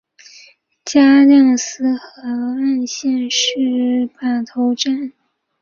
加量斯河岸站是码头区轻便铁路最东端的车站。